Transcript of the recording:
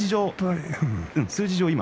数字上は。